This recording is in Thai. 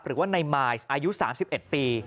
หรือว่าในมายอายุ๓๑ปี